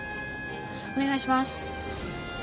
お願いします。